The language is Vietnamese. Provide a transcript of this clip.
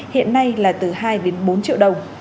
hiện nay là từ hai đến bốn triệu đồng